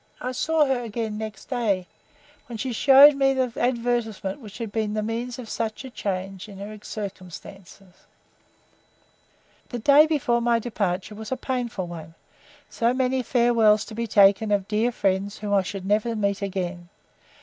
I saw her again next day, when she showed me the advertisement which had been the means of such a change in her circumstances. The day before my departure was a painful one, so many farewells to be taken of dear friends whom I should never meet again.